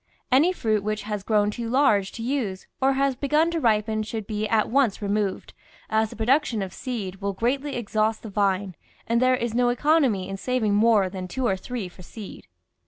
Any fruit which has grown too large to use or has begun to ripen should be at once removed, as the production of seed will greatly exhaust the vine, and there is no economy in saving more than two or three for seed.